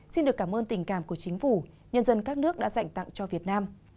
xin được cảm ơn tình cảm của chính phủ nhân dân các nước đã dành tặng cho việt nam